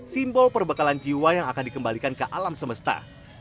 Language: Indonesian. simbol perbekalan jiwa yang akan dikembalikan ke alam semesta